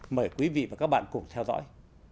mời quý vị và các bạn cùng theo dõi